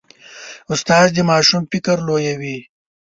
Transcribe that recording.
استاد د ماشوم فکر لویوي.